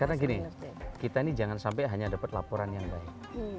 karena gini kita ini jangan sampai hanya dapat laporan yang baik